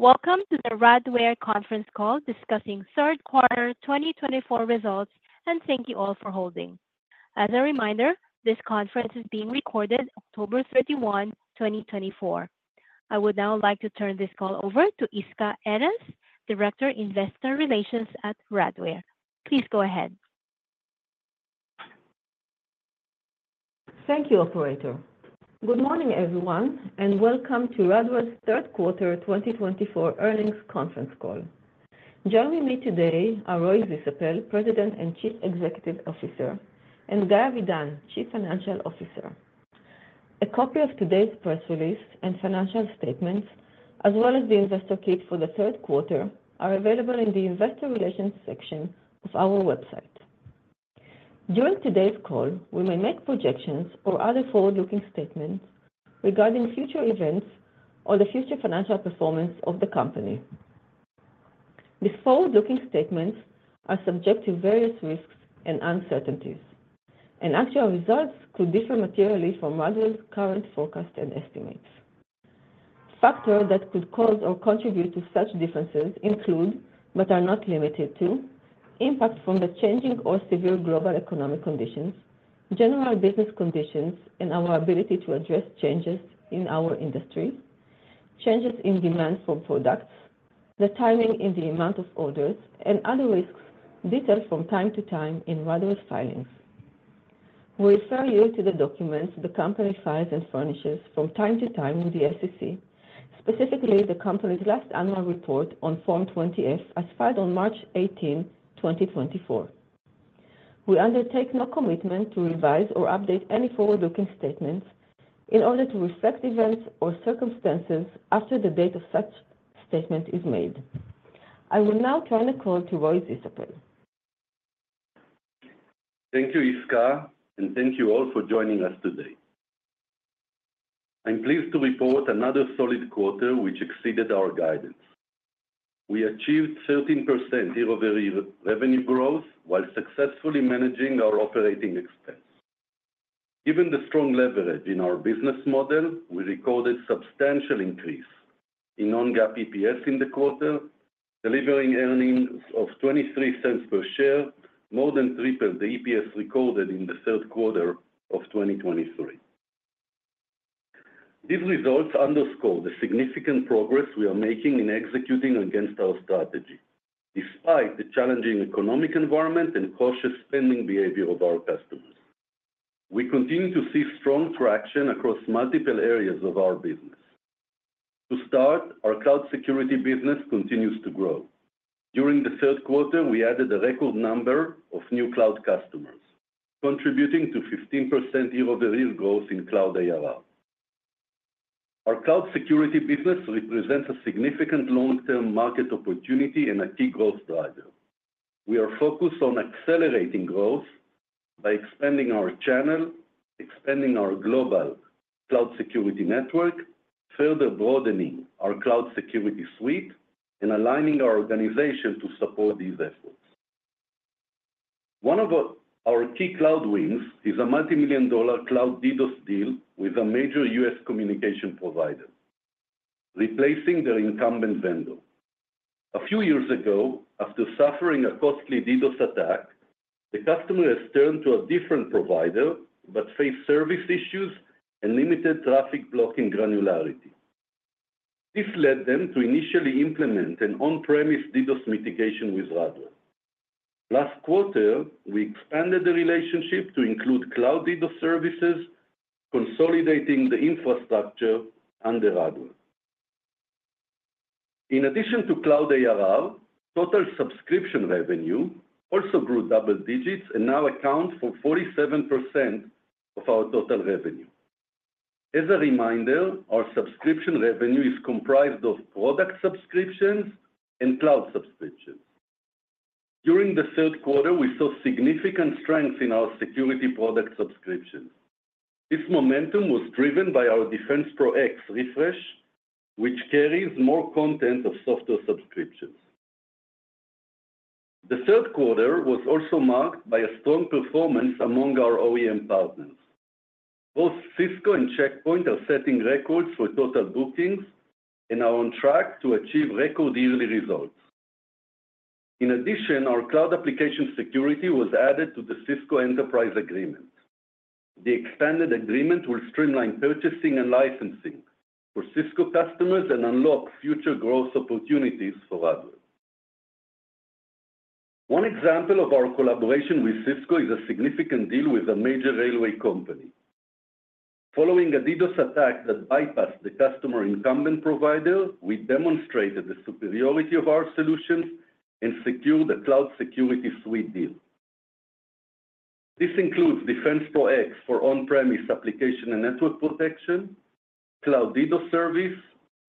Welcome to the Radware Conference Call discussing third quarter 2024 results, and thank you all for holding. As a reminder, this conference is being recorded on October 31, 2024. I would now like to turn this call over to Yisca Erez, Director of Investor Relations at Radware. Please go ahead. Thank you, Operator. Good morning, everyone, and welcome to Radware's Third Quarter 2024 Earnings Conference Call. Joining me today are Roy Zisapel, President and Chief Executive Officer, and Guy Avidan, Chief Financial Officer. A copy of today's press release and financial statements, as well as the investor kit for the third quarter, are available in the Investor Relations section of our website. During today's call, we may make projections or other forward-looking statements regarding future events or the future financial performance of the company. These forward-looking statements are subject to various risks and uncertainties, and actual results could differ materially from Radware's current forecasts and estimates. Factors that could cause or contribute to such differences include, but are not limited to, impact from the changing or severe global economic conditions, general business conditions and our ability to address changes in our industry, changes in demand for products, the timing and the amount of orders, and other risks detailed from time to time in Radware's filings. We refer you to the documents the company files and furnishes from time to time with the SEC, specifically the company's last annual report on Form 20-F, as filed on March 18, 2024. We undertake no commitment to revise or update any forward-looking statements in order to reflect events or circumstances after the date of such statement is made. I will now turn the call to Roy Zisapel. Thank you, Yisca, and thank you all for joining us today. I'm pleased to report another solid quarter which exceeded our guidance. We achieved 13% year-over-year revenue growth while successfully managing our operating expense. Given the strong leverage in our business model, we recorded a substantial increase in non-GAAP EPS in the quarter, delivering earnings of $0.23 per share, more than tripled the EPS recorded in the third quarter of 2023. These results underscore the significant progress we are making in executing against our strategy, despite the challenging economic environment and cautious spending behavior of our customers. We continue to see strong traction across multiple areas of our business. To start, our cloud security business continues to grow. During the third quarter, we added a record number of new cloud customers, contributing to 15% year-over-year growth in cloud ARR. Our cloud security business represents a significant long-term market opportunity and a key growth driver. We are focused on accelerating growth by expanding our channel, expanding our global cloud security network, further broadening our cloud security suite, and aligning our organization to support these efforts. One of our key cloud wins is a multi-million-dollar cloud DDoS deal with a major U.S. communication provider, replacing their incumbent vendor. A few years ago, after suffering a costly DDoS attack, the customer has turned to a different provider but faced service issues and limited traffic blocking granularity. This led them to initially implement an on-premise DDoS mitigation with Radware. Last quarter, we expanded the relationship to include cloud DDoS services, consolidating the infrastructure under Radware. In addition to cloud ARR, total subscription revenue also grew double digits and now accounts for 47% of our total revenue. As a reminder, our subscription revenue is comprised of product subscriptions and cloud subscriptions. During the third quarter, we saw significant strength in our security product subscriptions. This momentum was driven by our DefensePro X refresh, which carries more content of software subscriptions. The third quarter was also marked by a strong performance among our OEM partners. Both Cisco and Check Point are setting records for total bookings and are on track to achieve record-yearly results. In addition, our cloud application security was added to the Cisco Enterprise Agreement. The expanded agreement will streamline purchasing and licensing for Cisco customers and unlock future growth opportunities for Radware. One example of our collaboration with Cisco is a significant deal with a major railway company. Following a DDoS attack that bypassed the customer incumbent provider, we demonstrated the superiority of our solutions and secured a cloud security suite deal. This includes DefensePro X for on-premise application and network protection, cloud DDoS service,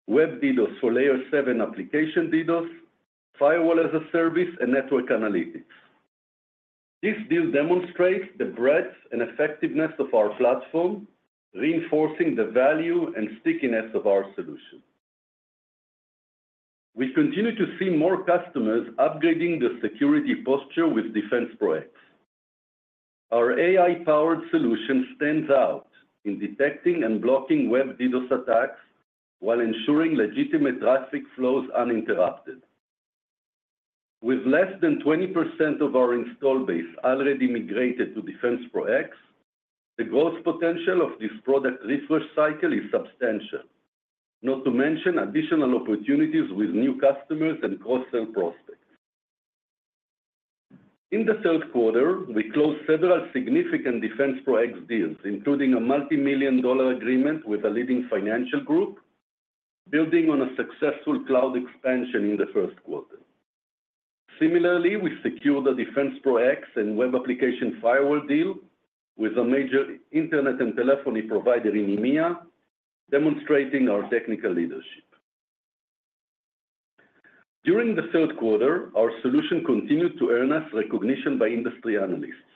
web DDoS for Layer 7 application DDoS, firewall as a service, and network analytics. This deal demonstrates the breadth and effectiveness of our platform, reinforcing the value and stickiness of our solution. We continue to see more customers upgrading their security posture with DefensePro X. Our AI-powered solution stands out in detecting and blocking web DDoS attacks while ensuring legitimate traffic flows uninterrupted. With less than 20% of our install base already migrated to DefensePro X, the growth potential of this product refresh cycle is substantial, not to mention additional opportunities with new customers and cross-sell prospects. In the third quarter, we closed several significant DefensePro X deals, including a multi-million-dollar agreement with a leading financial group, building on a successful cloud expansion in the first quarter. Similarly, we secured a DefensePro X and web application firewall deal with a major internet and telephony provider in EMEA, demonstrating our technical leadership. During the third quarter, our solution continued to earn us recognition by industry analysts.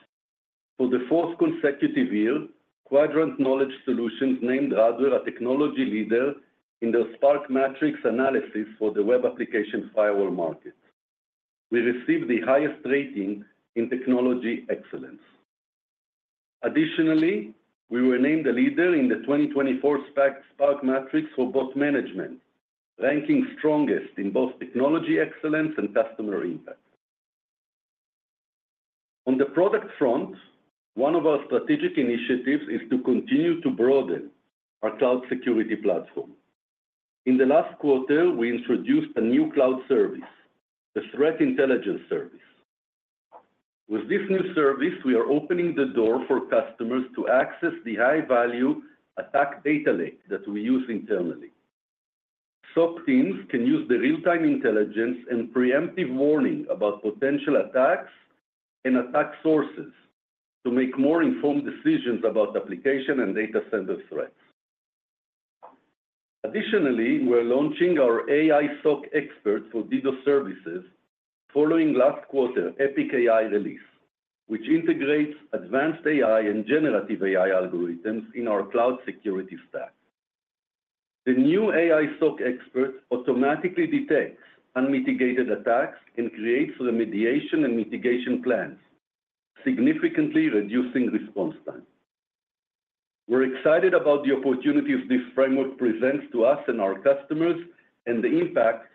For the fourth consecutive year, Quadrant Knowledge Solutions named Radware a technology leader in their SPARK Matrix analysis for the web application firewall market. We received the highest rating in technology excellence. Additionally, we were named a leader in the 2024 SPARK Matrix Bot Management, ranking strongest in both technology excellence and customer impact. On the product front, one of our strategic initiatives is to continue to broaden our cloud security platform. In the last quarter, we introduced a new cloud service, the Threat Intelligence Service. With this new service, we are opening the door for customers to access the high-value attack data lake that we use internally. SOC teams can use the real-time intelligence and preemptive warning about potential attacks and attack sources to make more informed decisions about application and data center threats. Additionally, we're launching our AI SOC Expert for DDoS services following last quarter's Epic AI release, which integrates advanced AI and generative AI algorithms in our cloud security stack. The new AI SOC Expert automatically detects unmitigated attacks and creates remediation and mitigation plans, significantly reducing response time. We're excited about the opportunities this framework presents to us and our customers and the impact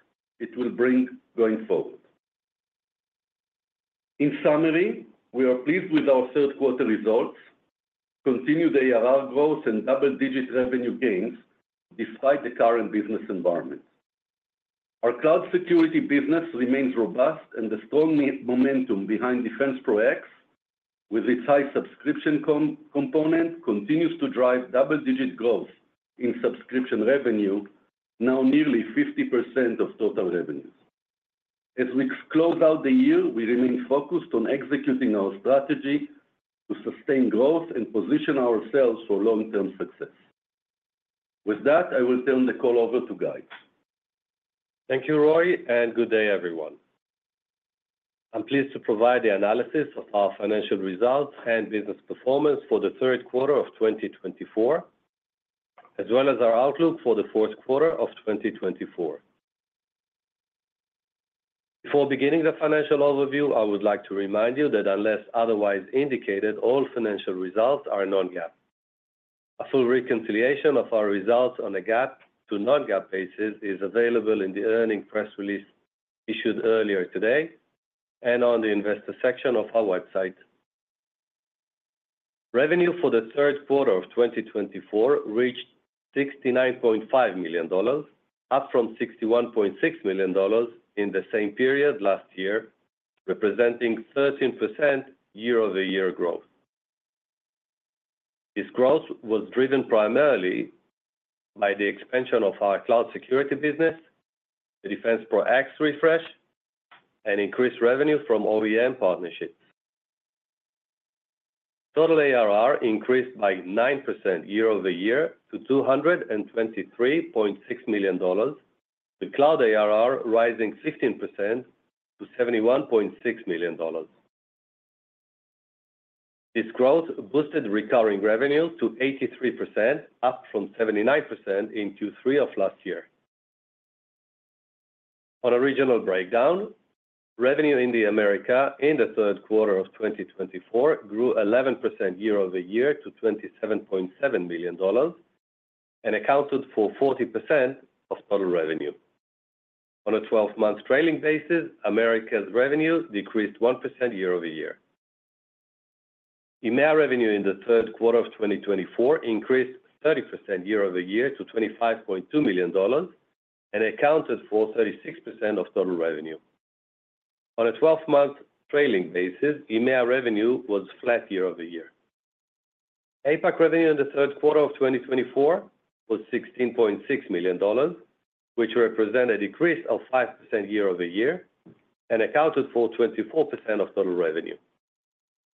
it will bring going forward. In summary, we are pleased with our third-quarter results, continued ARR growth, and double-digit revenue gains despite the current business environment. Our cloud security business remains robust, and the strong momentum behind DefensePro X, with its high subscription component, continues to drive double-digit growth in subscription revenue, now nearly 50% of total revenues. As we close out the year, we remain focused on executing our strategy to sustain growth and position ourselves for long-term success. With that, I will turn the call over to Guy. Thank you, Roy, and good day, everyone. I'm pleased to provide the analysis of our financial results and business performance for the third quarter of 2024, as well as our outlook for the fourth quarter of 2024. Before beginning the financial overview, I would like to remind you that, unless otherwise indicated, all financial results are non-GAAP. A full reconciliation of our results on a GAAP to non-GAAP basis is available in the earnings press release issued earlier today and on the investor section of our website. Revenue for the third quarter of 2024 reached $69.5 million, up from $61.6 million in the same period last year, representing 13% year-over-year growth. This growth was driven primarily by the expansion of our cloud security business, the DefensePro X refresh, and increased revenue from OEM partnerships. Total ARR increased by 9% year-over-year to $223.6 million, with cloud ARR rising 15% million-$71.6 million. This growth boosted recurring revenue to 83%, up from 79% in Q3 of last year. On a regional breakdown, revenue in Americas in the third quarter of 2024 grew 11% year-over-year to $27.7 million and accounted for 40% of total revenue. On a 12-month trailing basis, Americas' revenue decreased 1% year-over-year. EMEA revenue in the third quarter of 2024 increased 30% year-over-year to $25.2 million and accounted for 36% of total revenue. On a 12-month trailing basis, EMEA revenue was flat year-over-year. APAC revenue in the third quarter of 2024 was $16.6 million, which represents a decrease of 5% year-over-year and accounted for 24% of total revenue.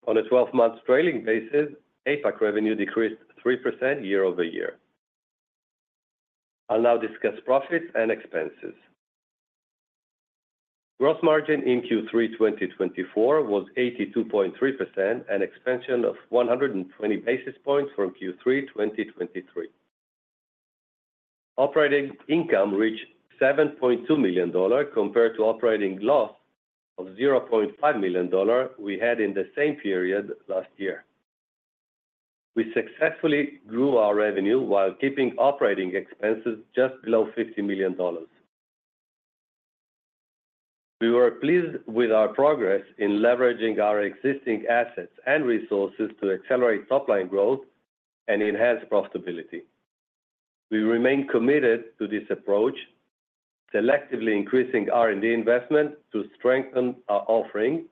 On a 12-month trailing basis, APAC revenue decreased 3% year-over-year. I'll now discuss profits and expenses. Gross margin in Q3 2024 was 82.3%, an expansion of 120 basis points from Q3 2023. Operating income reached $7.2 million compared to operating loss of $0.5 million we had in the same period last year. We successfully grew our revenue while keeping operating expenses just below $50 million. We were pleased with our progress in leveraging our existing assets and resources to accelerate top-line growth and enhance profitability. We remain committed to this approach, selectively increasing R&D investment to strengthen our offering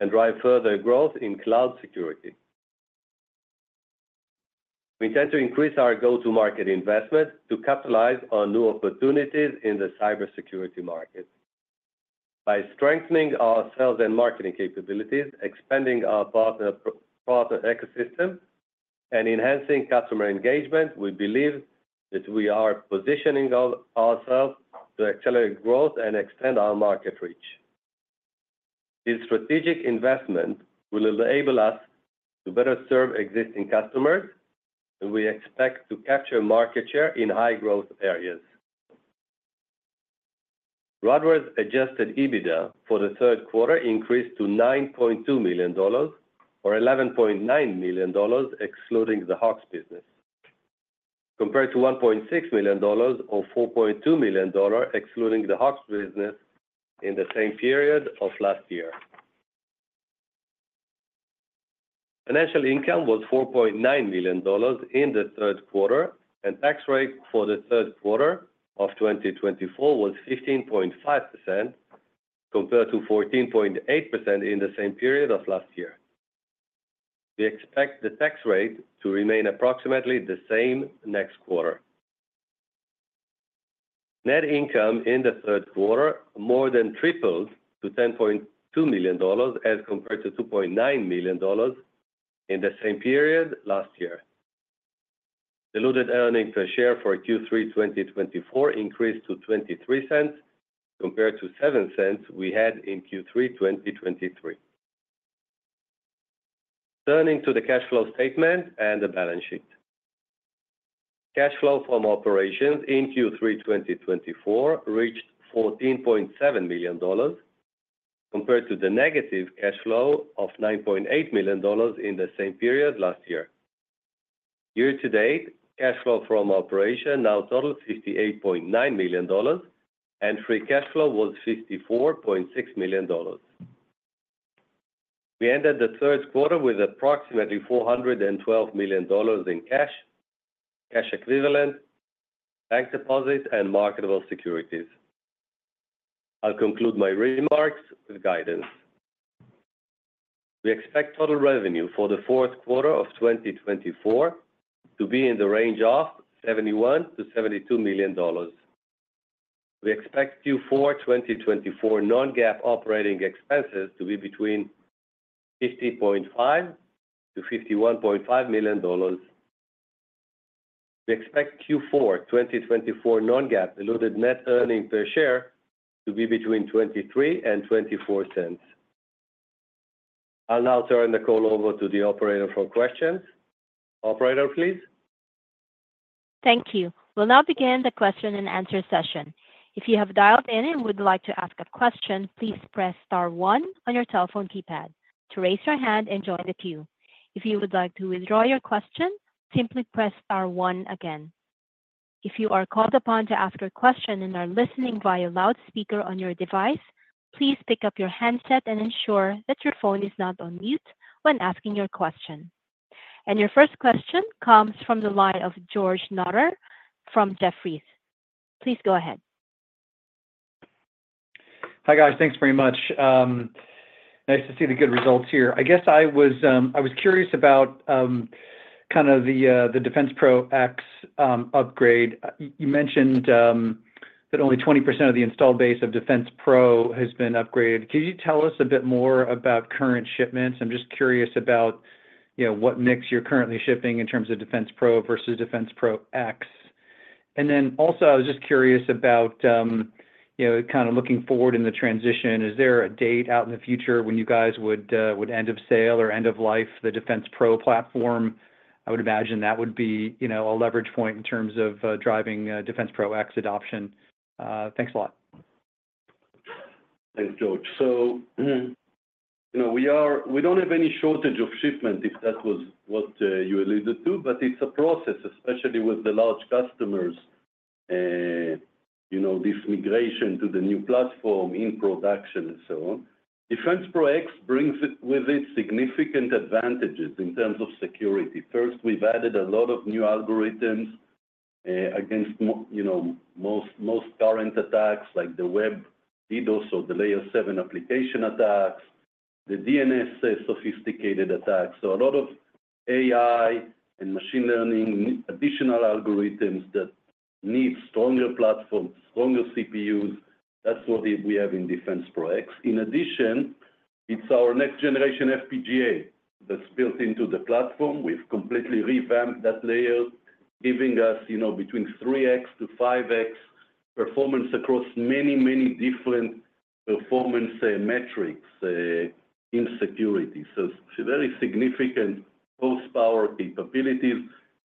and drive further growth in cloud security. We intend to increase our go-to-market investment to capitalize on new opportunities in the cybersecurity market. By strengthening our sales and marketing capabilities, expanding our partner ecosystem, and enhancing customer engagement, we believe that we are positioning ourselves to accelerate growth and extend our market reach. This strategic investment will enable us to better serve existing customers, and we expect to capture market share in high-growth areas. Radware's adjusted EBITDA for the third quarter increased to $9.2 million or $11.9 million, excluding the Hawk business, compared to $1.6 million or $4.2 million, excluding the Hawk business, in the same period of last year. Financial income was $4.9 million in the third quarter, and tax rate for the third quarter of 2024 was 15.5%, compared to 14.8% in the same period of last year. We expect the tax rate to remain approximately the same next quarter. Net income in the third quarter more than tripled to $10.2 million as compared to $2.9 million in the same period last year. Diluted earnings per share for Q3 2024 increased to $0.23, compared to $0.07 we had in Q3 2023. Turning to the cash flow statement and the balance sheet, cash flow from operations in Q3 2024 reached $14.7 million, compared to the negative cash flow of $9.8 million in the same period last year. Year-to-date, cash flow from operations now totaled $58.9 million, and free cash flow was $54.6 million. We ended the third quarter with approximately $412 million in cash, cash equivalents, bank deposits, and marketable securities. I'll conclude my remarks with guidance. We expect total revenue for the fourth quarter of 2024 to be in the range of $71 million-$72 million. We expect Q4 2024 non-GAAP operating expenses to be between $50.5 million-$51.5 million. We expect Q4 2024 non-GAAP diluted net earnings per share to be between $0.23 and $0.24. I'll now turn the call over to the operator for questions. Operator, please. Thank you. We'll now begin the question-and-answer session. If you have dialed in and would like to ask a question, please press star one on your telephone keypad to raise your hand and join the queue. If you would like to withdraw your question, simply press star one again. If you are called upon to ask a question and are listening via loudspeaker on your device, please pick up your handset and ensure that your phone is not on mute when asking your question. Your first question comes from the line of George Notter from Jefferies. Please go ahead. Hi, guys. Thanks very much. Nice to see the good results here. I guess I was curious about kind of the DefensePro X upgrade. You mentioned that only 20% of the installed base of DefensePro has been upgraded. Could you tell us a bit more about current shipments? I'm just curious about what mix you're currently shipping in terms of DefensePro versus DefensePro X. And then also, I was just curious about kind of looking forward in the transition. Is there a date out in the future when you guys would end of sale or end of life the DefensePro platform? I would imagine that would be a leverage point in terms of driving DefensePro X adoption. Thanks a lot. Thanks, George, so we don't have any shortage of shipment, if that was what you alluded to, but it's a process, especially with the large customers, this migration to the new platform in production, and so on. DefensePro X brings with it significant advantages in terms of security. First, we've added a lot of new algorithms against most current attacks, like the web DDoS or the layer 7 application attacks, the DNS sophisticated attacks, so a lot of AI and machine learning, additional algorithms that need stronger platforms, stronger CPUs. That's what we have in DefensePro X. In addition, it's our next-generation FPGA that's built into the platform. We've completely revamped that layer, giving us between 3x to 5x performance across many, many different performance metrics in security, so it's a very significant horsepower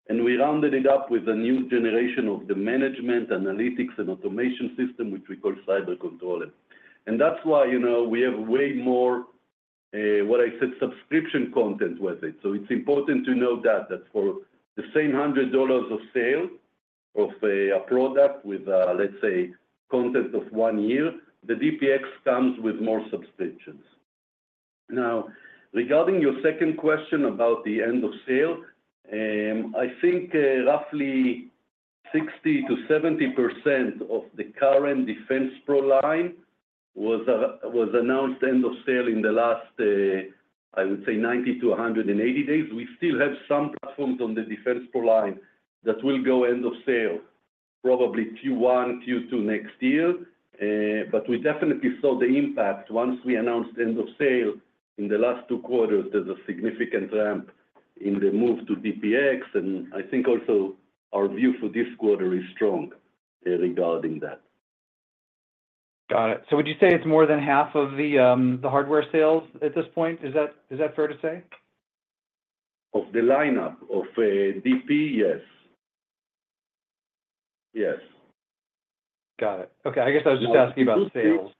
capability. We rounded it up with a new generation of the management, analytics, and automation system, which we call CyberController. And that's why we have way more, what I said, subscription content with it. So it's important to note that for the same $100 of sale of a product with, let's say, content of one year, the DPX comes with more subscriptions. Now, regarding your second question about the end of sale, I think roughly 60%-70% of the current DefensePro line was announced end of sale in the last, I would say, 90-180 days. We still have some platforms on the DefensePro line that will go end of sale, probably Q1, Q2 next year. But we definitely saw the impact once we announced end of sale in the last two quarters. There's a significant ramp in the move to DPX. And I think also our view for this quarter is strong regarding that. Got it. So would you say it's more than half of the hardware sales at this point? Is that fair to say? Of the lineup of DP, yes. Yes. Got it. Okay. I guess I was just asking about sales.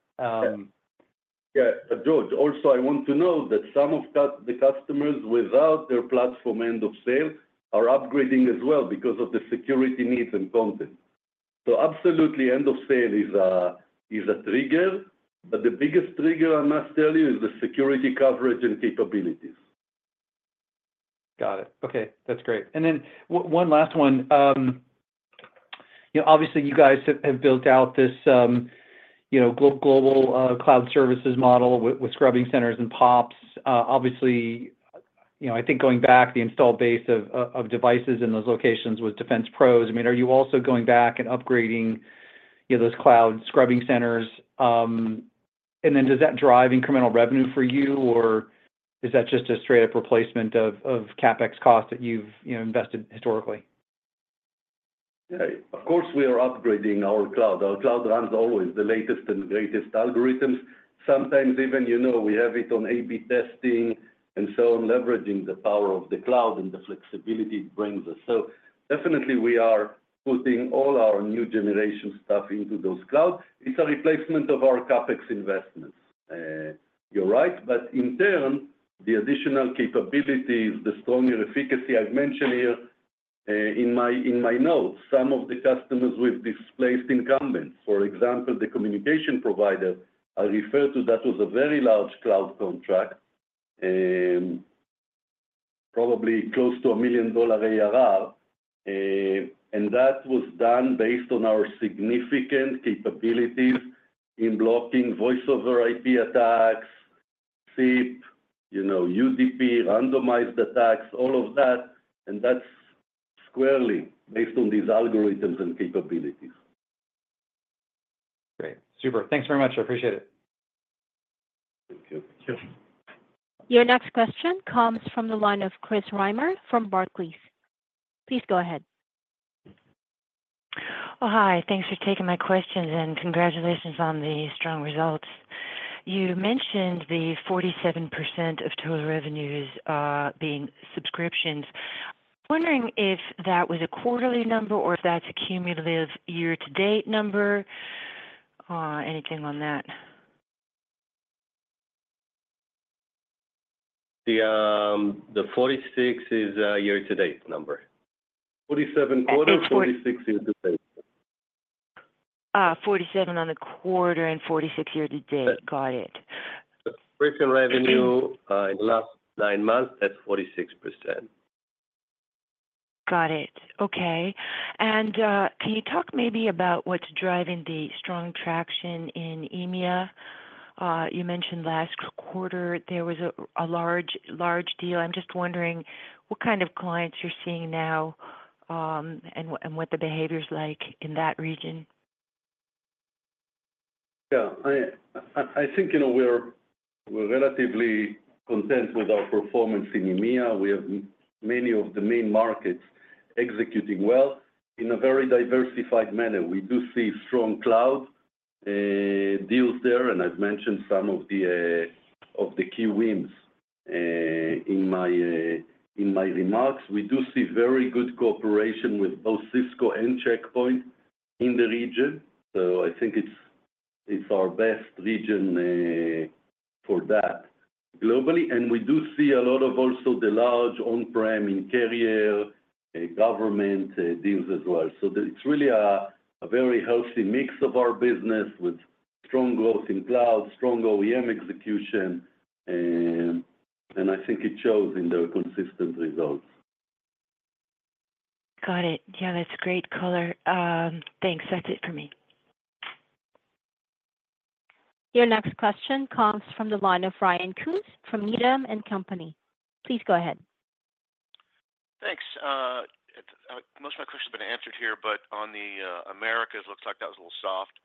Yeah. George, also, I want to note that some of the customers, without their platform end of sale, are upgrading as well because of the security needs and content, so absolutely, end of sale is a trigger, but the biggest trigger, I must tell you, is the security coverage and capabilities. Got it. Okay. That's great. And then one last one. Obviously, you guys have built out this global cloud services model with scrubbing centers and POPs. Obviously, I think going back, the install base of devices in those locations was DefensePro's. I mean, are you also going back and upgrading those cloud scrubbing centers? And then does that drive incremental revenue for you, or is that just a straight-up replacement of CapEx costs that you've invested historically? Yeah. Of course, we are upgrading our cloud. Our cloud runs always the latest and greatest algorithms. Sometimes even we have it on A/B testing and so on, leveraging the power of the cloud and the flexibility it brings us. So definitely, we are putting all our new generation stuff into those clouds. It's a replacement of our CapEx investments. You're right. But in turn, the additional capabilities, the stronger efficacy I've mentioned here in my notes, some of the customers with displaced incumbents, for example, the communication provider I referred to, that was a very large cloud contract, probably close to a $1 million ARR. And that was done based on our significant capabilities in blocking Voice over IP attacks, SIP, UDP, randomized attacks, all of that. And that's squarely based on these algorithms and capabilities. Great. Super. Thanks very much. I appreciate it. Thank you. Your next question comes from the line of Chris Reimer from Barclays. Please go ahead. Hi. Thanks for taking my questions, and congratulations on the strong results. You mentioned the 47% of total revenues being subscriptions. I'm wondering if that was a quarterly number or if that's a cumulative year-to-date number, anything on that? The 46 is a year-to-date number. 47 quarter, 46 year-to-date. 47 on the quarter and 46 year-to-date. Got it. Operating revenue in the last nine months, that's 46%. Got it. Okay. And can you talk maybe about what's driving the strong traction in EMEA? You mentioned last quarter there was a large deal. I'm just wondering what kind of clients you're seeing now and what the behavior's like in that region. Yeah. I think we're relatively content with our performance in EMEA. We have many of the main markets executing well in a very diversified manner. We do see strong cloud deals there, and I've mentioned some of the key WIMs in my remarks. We do see very good cooperation with both Cisco and Check Point in the region. So I think it's our best region for that globally, and we do see a lot of also the large on-prem and carrier government deals as well, so it's really a very healthy mix of our business with strong growth in cloud, strong OEM execution, and I think it shows in the consistent results. Got it. Yeah, that's great color. Thanks. That's it for me. Your next question comes from the line of Ryan Koontz from Needham & Company. Please go ahead. Thanks. Most of my questions have been answered here, but on the Americas, it looks like that was a little soft.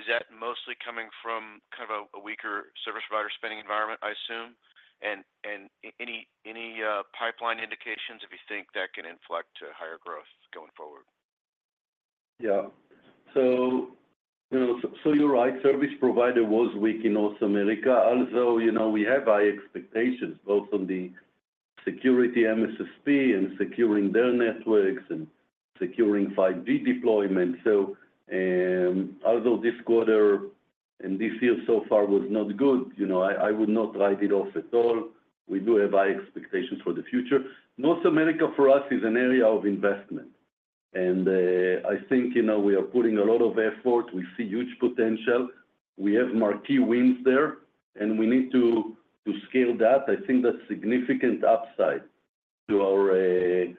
Is that mostly coming from kind of a weaker service provider spending environment, I assume? And any pipeline indications if you think that can inflect to higher growth going forward? Yeah. So you're right. Service provider was weak in North America, although we have high expectations, both on the security MSSP and securing their networks and securing 5G deployment. So although this quarter and this year so far was not good, I would not write it off at all. We do have high expectations for the future. North America for us is an area of investment. And I think we are putting a lot of effort. We see huge potential. We have marquee wins there, and we need to scale that. I think that's significant upside to our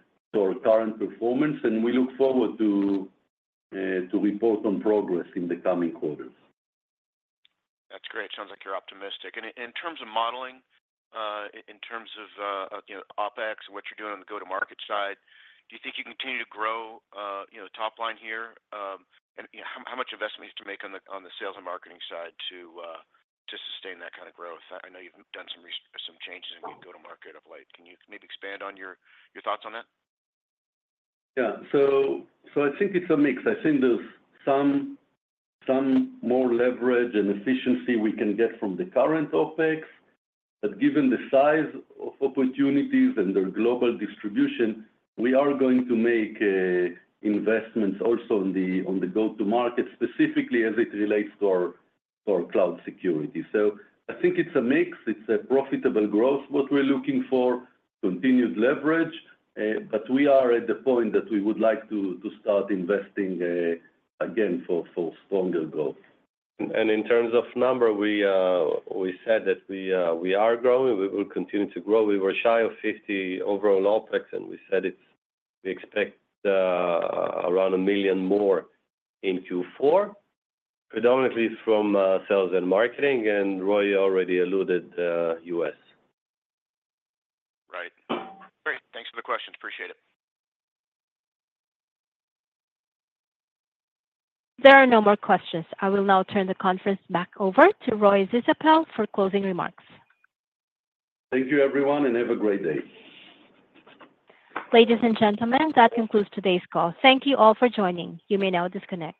current performance. And we look forward to report on progress in the coming quarters. That's great. Sounds like you're optimistic, and in terms of modeling, in terms of OpEx and what you're doing on the go-to-market side, do you think you can continue to grow top line here, and how much investment do you have to make on the sales and marketing side to sustain that kind of growth? I know you've done some changes in go-to-market of late. Can you maybe expand on your thoughts on that? Yeah. So I think it's a mix. I think there's some more leverage and efficiency we can get from the current OpEx. But given the size of opportunities and their global distribution, we are going to make investments also on the go-to-market, specifically as it relates to our cloud security. So I think it's a mix. It's a profitable growth, what we're looking for, continued leverage. But we are at the point that we would like to start investing again for stronger growth. In terms of numbers, we said that we are growing. We will continue to grow. We were shy of $50 million overall OpEx, and we said we expect around $1 million more in Q4, predominantly from sales and marketing. Roy already alluded to the U.S. Right. Great. Thanks for the questions. Appreciate it. There are no more questions. I will now turn the conference back over to Roy Zisapel for closing remarks. Thank you, everyone, and have a great day. Ladies and gentlemen, that concludes today's call. Thank you all for joining. You may now disconnect.